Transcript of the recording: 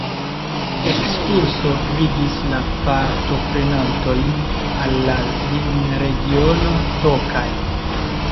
Ekskurso gvidis la partoprenantojn al la vinregiono Tokaj.